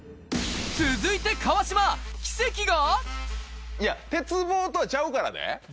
続いて川島奇跡が？